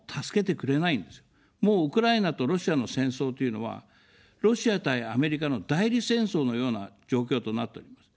もうウクライナとロシアの戦争というのは、ロシア対アメリカの代理戦争のような状況となっております。